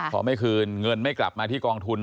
พอไม่คืนเงินไม่กลับมาที่กองทุน